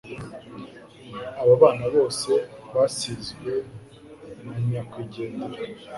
abobana bose basizwe nanyakwigendera